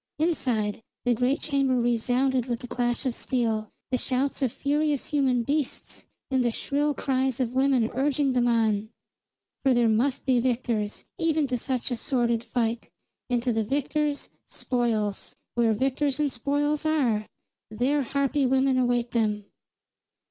Inside, the great chamber resounded with the clash of steel, the shouts of furious human beasts, and the shrill cries of women urging them on; for there must be victors, even to such a sordid fight, and to the victors, spoils. Where victors and spoils are, there harpy women await them.